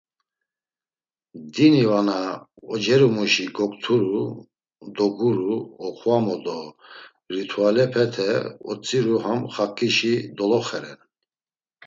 Dini vana ocerumuşi gokturu, doguru, oxvamu do rituelepete otziru ham xaǩişi doloxe ren.